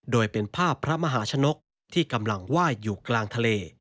โดยเป็นภาพพระมหาชนกที่กำลังไหว้อยู่กลางทะเล